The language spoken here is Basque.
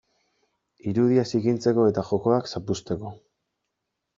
Irudia zikintzeko eta jokoak zapuzteko.